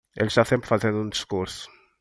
Ele está sempre fazendo um discurso.